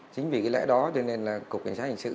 chính vì cái lẽ đó cho nên là cục hình sự